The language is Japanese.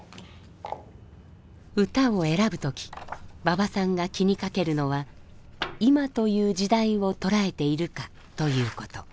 歌を選ぶ時馬場さんが気にかけるのは「今という時代を捉えているか」ということ。